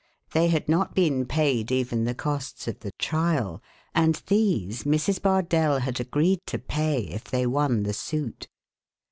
They had not been paid even the costs of the trial, and these Mrs. Bardell had agreed to pay if they won the suit.